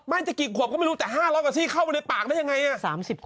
จะกี่ขวบก็ไม่รู้แต่๕๐๐กว่าซี่เข้าไปในปากได้ยังไง